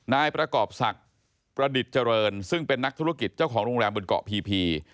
นายประกอบศักดิ์ประดิษฐ์เจริญซึ่งเป็นนักธุรกิจเจ้าของโรงแรมบนเกาะพีพี